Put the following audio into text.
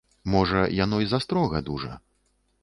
Можа, яно і застрога дужа.